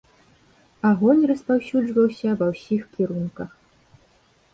Агонь распаўсюджваўся ва ўсіх кірунках.